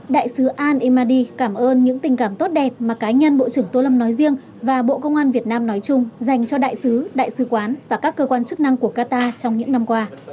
đại sứ al emadi cảm ơn những tình cảm tốt đẹp mà cá nhân bộ trưởng tô lâm nói riêng và bộ công an việt nam nói chung dành cho đại sứ đại sứ quán và các cơ quan chức năng của qatar trong những năm qua